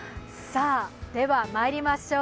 ではまいりましょう。